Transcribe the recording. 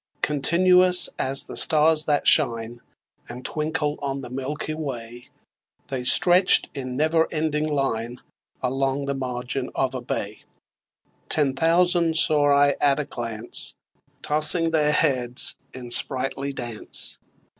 Continuous as the stars that shine And twinkle on the milky way, They stretch'd in never ending line Along the margin of a bay: Ten thousand saw I at a glance Tossing their heads in sprightly dance.